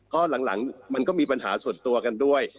ก็หลังมันก็มีปัญหาส่วนตัวกันด้วย